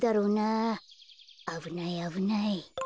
あぶないあぶない。